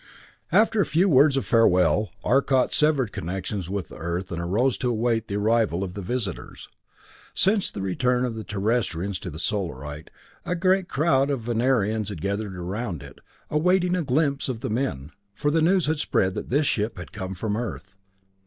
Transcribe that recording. After a few words of farewell, Arcot severed connections with the Earth and arose to await the arrival of the visitors. Since the return of the Terrestrians to the Solarite, a great crowd of Venerians had gathered around it, awaiting a glimpse of the men, for the news had spread that this ship had come from Earth.